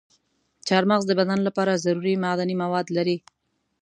چارمغز د بدن لپاره ضروري معدني مواد لري.